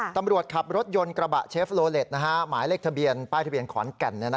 ตำรวจขับรถยนต์กระบะเชฟโลเล็ตหมายเลขทะเบียนป้ายทะเบียนขอนแก่น